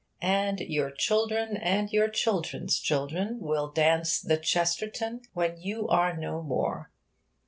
And your children and your children's children will dance 'The Chesterton' when you are no more.